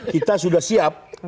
kita sudah siap